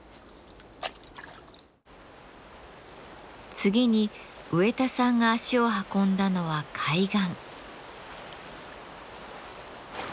次に植田さんが足を運んだのは海岸。